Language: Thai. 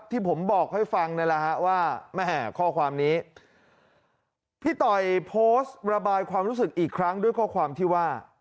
ที่ผมบอกให้ฟังนี่แหละฮะว่าแม่ข้อความนี้พี่ต่อยโพสต์ระบายความรู้สึกอีกครั้งด้วยข้อความที่ว่า